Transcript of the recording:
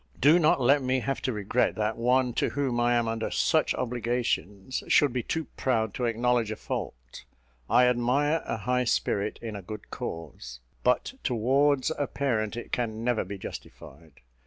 Do not let me have to regret that one to whom I am under such obligations should be too proud to acknowledge a fault. I admire a high spirit in a good cause: but towards a parent it can never be justified.